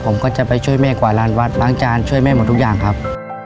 ผมก็จะไปช่วยแม่กว่าร้านวัดล้างจานช่วยแม่หมดทุกอย่างครับ